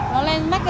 nó tẩy mùi